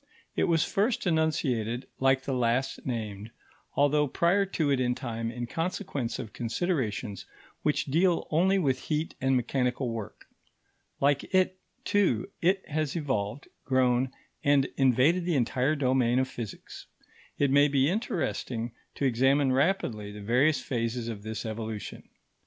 It was first enunciated, like the last named, although prior to it in time, in consequence of considerations which deal only with heat and mechanical work. Like it, too, it has evolved, grown, and invaded the entire domain of physics. It may be interesting to examine rapidly the various phases of this evolution.